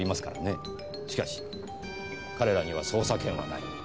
しかし彼らには捜査権はない。